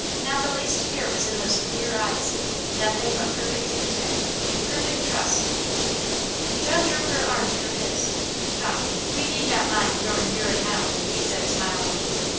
Not the least fear was in those clear eyes. Nothing but perfect content perfect trust. John drew her arm through his. "Come, we need not mind Norton Bury now," he said, smiling.